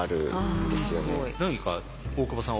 何か大久保さん